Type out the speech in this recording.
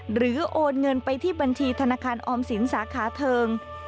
โอนเงินไปที่บัญชีธนาคารออมสินสาขาเทิง